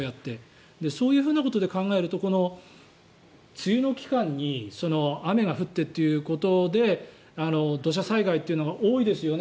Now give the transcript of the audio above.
そういうことで考えると梅雨の期間に雨が降ってということで土砂災害というのが多いですよね